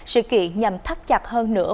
sự kiện nhằm thắt chặt hơn nửa